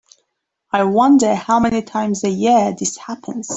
I wonder how many times a year this happens.